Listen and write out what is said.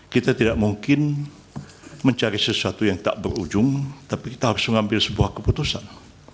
kita tidak mungkin mencari sesuatu yang tak berujung tapi kita harus mengambil sebuah keputusan